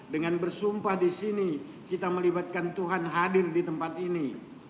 dengan bersumpah di sini kita melibatkan tuhan hadir di tempat ini